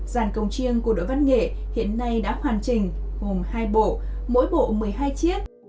dàn cồng chiêng của đội văn nghệ hiện nay đã hoàn chỉnh hồn hai bộ mỗi bộ một mươi hai chiếc